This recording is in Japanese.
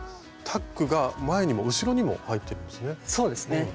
タックが前にも後ろにも入っているんですね。